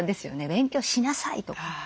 「勉強しなさい」とか。